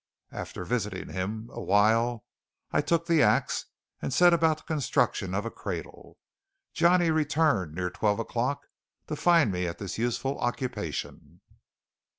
After visiting with him a while I took the axe and set about the construction of a cradle. Johnny returned near twelve o'clock to find me at this useful occupation.